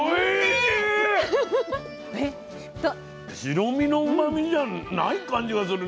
白身のうまみじゃない感じがする。